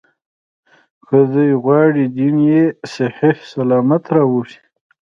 که دوی غواړي دین یې صحیح سلامت راووځي.